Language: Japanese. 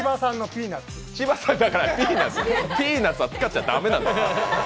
ピーナッツは使っちゃ駄目なんです。